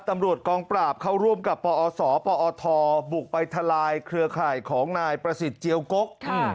ตำรวจกองปราบเข้าร่วมกับปอศปอทบุกไปทลายเครือข่ายของนายประสิทธิ์เจียวกก